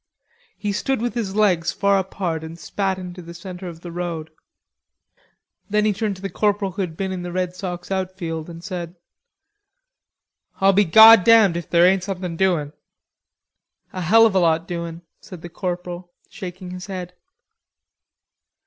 He stood with his legs far apart and spat into the center of the road; then he turned to the corporal who had been in the Red Sox outfield and said: "I'll be goddamed if there ain't somethin' doin'!" "A hell of a lot doin'," said the corporal, shaking his head.